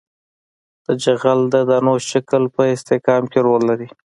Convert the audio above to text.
د جغل د دانو شکل په استحکام کې رول لري